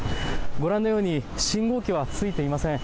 ご覧のように信号機はついていません。